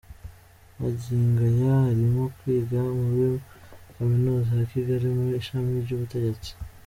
Magingo aya arimo kwiga muri Kaminuza ya Kigali mu ishami ry’ubutegetsi.